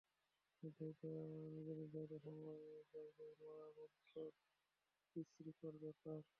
নিজের নির্ধারিত সময়ের বাইরে মরা বড্ড বিশ্রীকর ব্যাপার।